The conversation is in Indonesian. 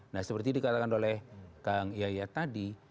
nah seperti dikatakan oleh kang yaya tadi